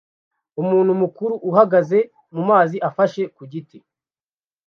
umuntu mukuru uhagaze mumazi afashe ku giti